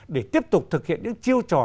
để tiếp tục thực hiện những chiêu trò